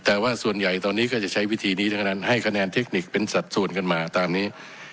แต่ว่าส่วนใหญ่ตอนนี้ก็จะใช้วิธีนี้ทั้งนั้นให้คะแนนเทคนิคเป็นสัดส่วนกันมาตามนี้